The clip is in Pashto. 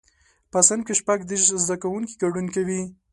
په صنف کې شپږ دیرش زده کوونکي ګډون کوي.